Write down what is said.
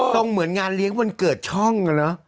ต้องเหมือนงานเลี้ยงวันเกิดช่องกันเนอะ